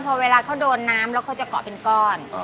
พอเวลาเขาโดนน้ำแล้วเขาจะเกาะเป็นก้อน